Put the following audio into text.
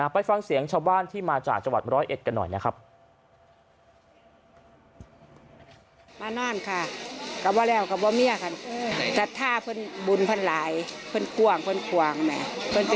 ไปฟังเสียงชาวบ้านที่มาจากจังหวัดร้อยเอ็ดกันหน่อยนะครับ